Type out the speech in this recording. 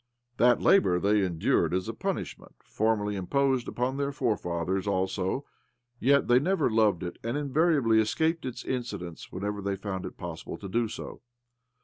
That labour they endured as a punishment formerly imposed upon their forefathers also ; yet they never loved it, and invariably escaped its incidence whenever they found it possible so to do.